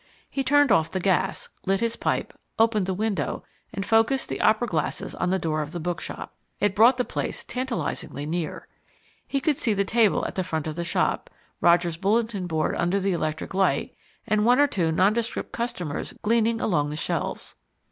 He turned off the gas, lit his pipe, opened the window, and focussed the opera glasses on the door of the bookshop. It brought the place tantalizingly near. He could see the table at the front of the shop, Roger's bulletin board under the electric light, and one or two nondescript customers gleaning along the shelves.